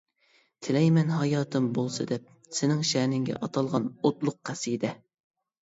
تىلەيمەن ھاياتىم بولسا دەپ، سېنىڭ شەنىڭگە ئاتالغان ئوتلۇق قەسىدە.